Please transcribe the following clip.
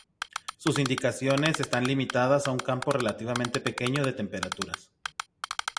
Sus indicaciones están limitadas a un campo relativamente pequeño de temperaturas.